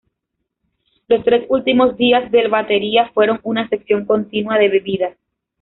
Los tres últimos días del batería fueron una sesión continua de bebida.